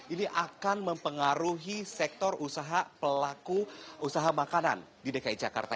ini akan mempengaruhi sektor usaha pelaku usaha makanan di dki jakarta